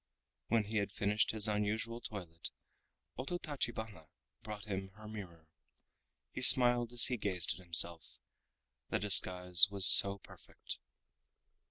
When he had finished his unusual toilet, Ototachibana brought him her mirror. He smiled as he gazed at himself—the disguise was so perfect.